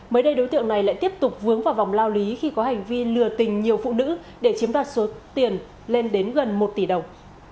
mới đây đối tượng này lại tiếp tục vướng vào vòng lao lý khi có hành vi lừa tình nhiều phụ nữ để chiếm đoạt số tiền lên đến gần một tỷ đồng